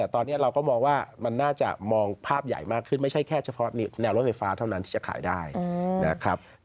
ทิ้งท้ายหน่อยดีไหมคะ